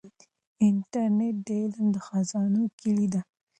انټرنیټ د علم د خزانو کلي ده.